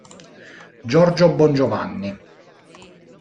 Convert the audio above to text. Giorgio Bongiovanni